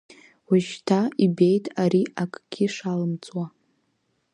Уажәшьҭа ибеит ари акгьы шалымҵуа.